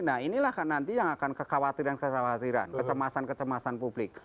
nah inilah nanti yang akan kekhawatiran kekhawatiran kecemasan kecemasan publik